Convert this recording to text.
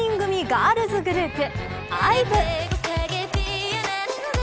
ガールズグループＩＶＥ。